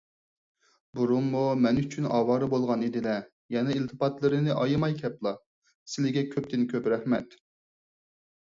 بۇرۇنمۇ مەن ئۈچۈن ئاۋارە بولغان ئىدىلە، يەنە ئىلتىپاتلىرىنى ئايىماي كەپلا. سىلىگە كۆپتىن - كۆپ رەھمەت!